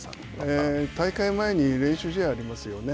大会前に練習試合がありますよね。